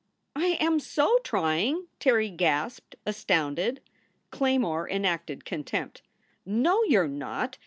"I am so trying!" Terry gasped, astounded. Claymore enacted contempt. "No, you re not!